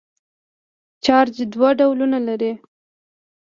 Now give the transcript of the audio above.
چارج دوه ډولونه لري.